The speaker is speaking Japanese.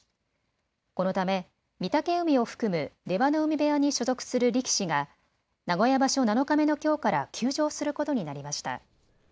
このため、御嶽海を含む出羽海部屋に所属する力士が名古屋場所７日目のきょうから休場することになりました。